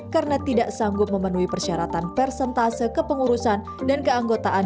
karena tidak sanggup memenuhi persyaratan persentase kepengurusan dan keanggotaan